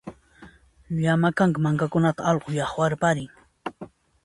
Llama kanka mankakunata allqu llaqwarparin